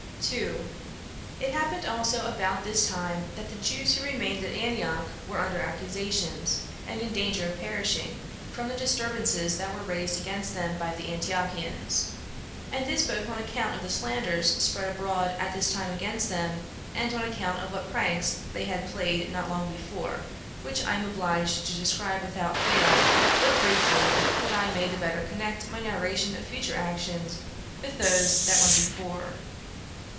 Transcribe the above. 2. It happened also about this time, that the Jews who remained at Antioch were under accusations, and in danger of perishing, from the disturbances that were raised against them by the Antiochians; and this both on account of the slanders spread abroad at this time against them, and on account of what pranks they had played not long before; which I am obliged to describe without fail, though briefly, that I may the better connect my narration of future actions with those that went before.